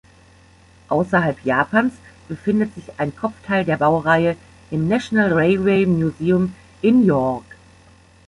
Außerhalb Japans befindet sich ein Kopfteil der Baureihe im National Railway Museum in York.